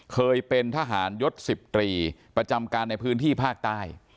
เคยเป็นทหารยศ๑๐ตรีประจำการในพื้นที่ภาคใต้